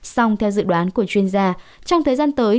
xong theo dự đoán của chuyên gia trong thời gian tới